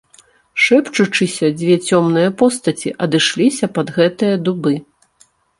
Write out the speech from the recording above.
Шэпчучыся, дзве цёмныя постаці адышліся пад гэтыя дубы.